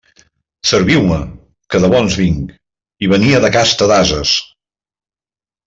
Serviu-me, que de bons vinc; i venia de casta d'ases.